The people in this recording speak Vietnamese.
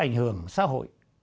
có ảnh hưởng xã hội